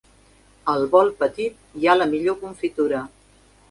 Al bol petit hi ha la millor confitura.